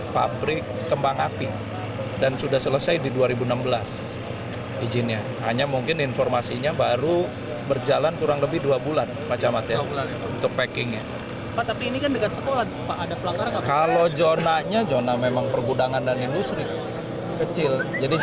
pabrik kembang api ini berada di zona pergudangan dan industri kecil